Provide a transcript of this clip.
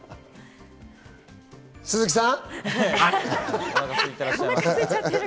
鈴木さん？